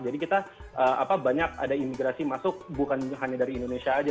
jadi kita banyak ada imigrasi masuk bukan hanya dari indonesia aja